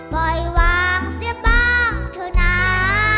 ปล่อยวางเสื้อบ้างเถอะน้า